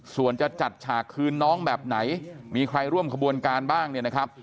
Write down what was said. ส่วนจะจัดฉากคืนน้องแบบไหนมีใครร่วมขบวนการบ้างเนี่ยนะครับ